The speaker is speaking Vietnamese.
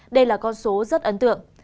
đây là con số rất ấn tượng